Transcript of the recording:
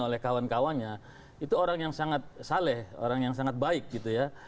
oleh kawan kawannya itu orang yang sangat saleh orang yang sangat baik gitu ya